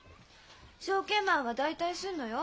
証券マンは大体すんのよ。